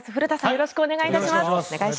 よろしくお願いします。